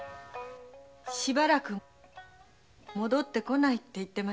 しばらく戻ってこないって言ってましたよ。